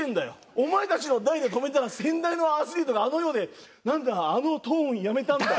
お前たちの代で止めたら先代のアスリートがあの世で「なんだあのトーンやめたんだ」。